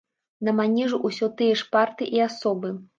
На манежу ўсё тыя ж партыі і асобы.